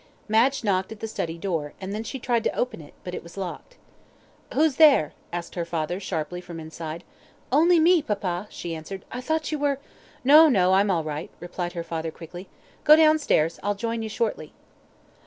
Madge knocked at the study door, and then she tried to open it, but it was locked. "Who's there?" asked her father, sharply, from inside. "Only me, papa," she answered. "I thought you were " "No! No I'm all right," replied her father, quickly. "Go down stairs, I'll join you shortly."